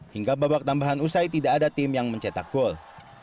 hingga babak tambahan usai tidak ada tim yang mencetak gol